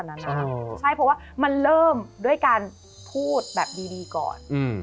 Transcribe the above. ใช่เพราะว่ามันเริ่มด้วยการพูดแบบดีก่อน